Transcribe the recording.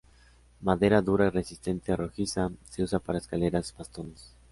Madera dura y resistente, rojiza, se usa para escaleras, bastones.